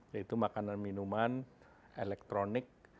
yaitu makanan minuman elektronik